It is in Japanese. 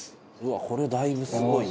「これはだいぶすごいな」